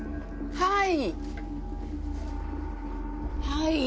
はい。